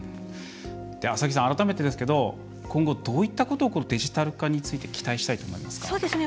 麻木さん、改めてですけど今後どういったことをこのデジタル化について期待したいと思いますか？